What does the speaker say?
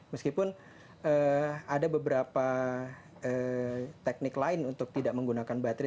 meskipun ada beberapa teknik lain untuk tidak menggunakan baterai